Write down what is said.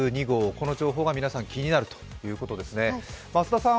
この情報が皆さん気になるということですね。